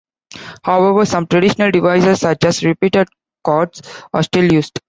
However, some traditional devices, such as repeated chords, are still used.